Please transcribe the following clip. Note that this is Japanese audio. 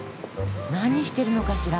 何してるのかしら？